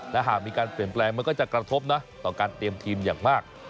และหากมีการเปลี่ยนแปลงมันก็จะกระทบนะต่อการเตรียมทีมอย่างมาก